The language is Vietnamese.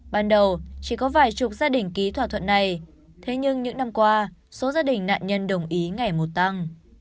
ban đầu chỉ có vài chục gia đình ký thỏa thuận này thế nhưng những năm qua số gia đình nạn nhân đồng ý ngày một tăng